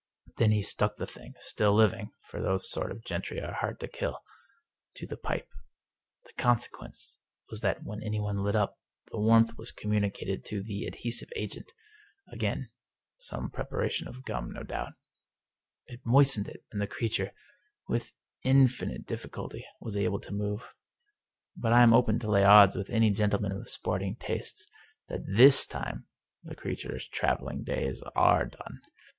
Then he stuck the thing — ^still living, for those sort of gentry are hard to kill — to the pipe. The conse quence was that when anyone lit up, the warmth was communicated to the adhesive agent — again some prepara 241 English Mystery Stories tion of gum, no doubt — ^it moistened it, and the creature, with infinite difficulty, was able to move. But I am open to lay odds with any gentleman of sporting tastes that this time the creature's traveling days are done.